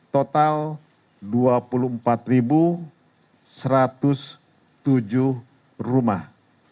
total dua puluh empat satu ratus tujuh rumah